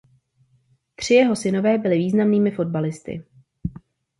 Tři jeho synové byli významnými fotbalisty.